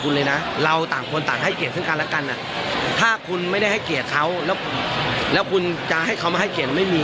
คุณให้เกียรติเขาก่อนเขาถึงให้เกียรติคุณแค่นั้นเอง